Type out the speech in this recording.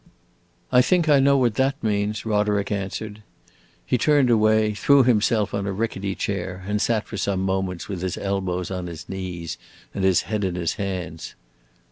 "I think I know what that means," Roderick answered. He turned away, threw himself on a rickety chair, and sat for some moments with his elbows on his knees and his head in his hands.